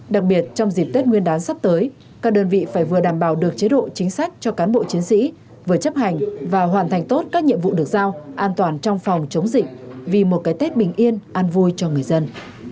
đặc biệt trong dịp tết nguyên đán sắp tới các đơn vị phải vừa đảm bảo được chế độ chính sách cho cán bộ chiến sĩ vừa chấp hành và hoàn thành tốt các nhiệm vụ được giao an toàn trong phòng chống dịch vì một cái tết bình yên an vui cho người dân